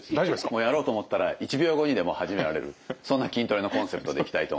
やろうと思ったら１秒後にでも始められるそんな筋トレのコンセプトでいきたいと思います。